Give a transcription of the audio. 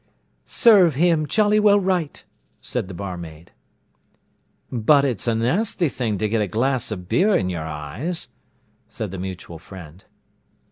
"Serve him jolly well right!" said the barmaid. "But it's a nasty thing to get a glass of beer in your eyes," said the mutual friend.